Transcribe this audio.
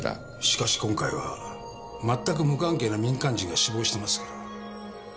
しかし今回はまったく無関係な民間人が死亡してますから。